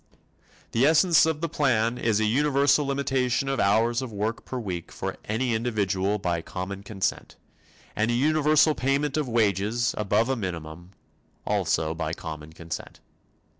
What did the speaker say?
The essence of the plan is a universal limitation of hours of work per week for any individual by common consent, and a universal payment of wages above a minimum, also by common consent.